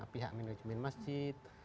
pihak manajemen masjid